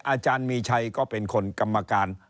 อาจารย์มีชัยก็เป็นคนกรรมการ